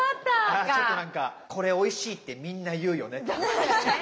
ああちょっと何か「これおいしい」ってみんな言うよね。